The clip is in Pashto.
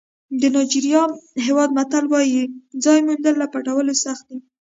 د نایجېریا هېواد متل وایي ځای موندل له پټولو سخت دي.